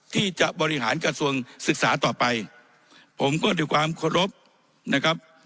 ที่จะบริหารกระทรวงศึกษาต่อไปผมก็ด้วยความเคารพนะครับ